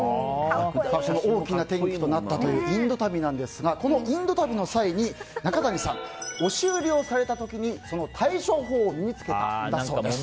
大きな転機となったというインド旅なんですがこのインド旅の際に中谷さん押し売りをされた時に対処法を身に付けたそうです。